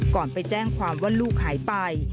ไปแจ้งความว่าลูกหายไป